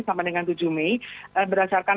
sampai dengan tujuh mei berdasarkan